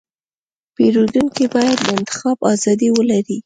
پیرودونکی باید د انتخاب ازادي ولري.